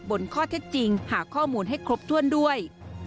บนข้อเท็จจริงหาข้อมูลให้ครบถ้วนด้วย